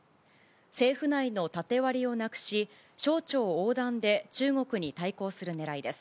政府内の縦割りをなくし、省庁横断で中国に対抗するねらいです。